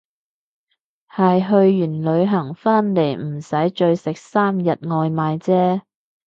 係去完旅行返嚟唔使再食三日外賣姐